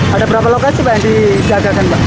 ada berapa lokasi pak